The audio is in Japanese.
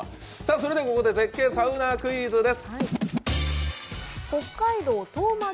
ここで絶景サウナクイズです。